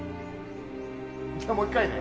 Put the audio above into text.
じゃあもう１回ね。